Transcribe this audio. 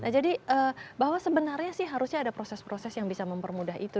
jadi bahwa sebenarnya sih harusnya ada proses proses yang bisa mempermudah itu